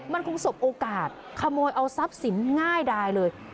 มันคงสบโอกาสขโมยเอาทรัพย์สินง่ายดายเลย